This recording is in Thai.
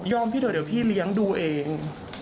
พี่เถอะเดี๋ยวพี่เลี้ยงดูเอง